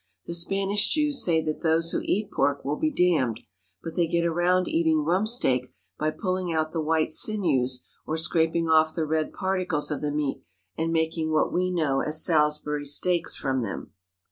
The Spanish Jews say that those who eat pork will be damned, but they get around eating rump steak by pulling out the white sinews or scraping off the red particles of the meat and making what we know as Salisbury steaks from them.